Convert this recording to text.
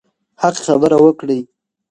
حق خبره وکړئ.